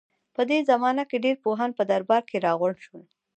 په دې زمانه کې ډېر پوهان په درباره کې راغونډ شول.